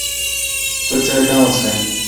تور چای کم وڅښئ.